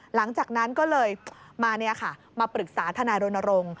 หลังจากนั้นก็เลยมาปรึกษาทนายรณรงค์